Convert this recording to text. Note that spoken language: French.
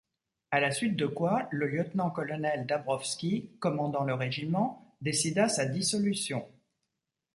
À la suite de quoi, le lieutenant-colonel Dąbrowski, commandant le régiment, décida sa dissolution.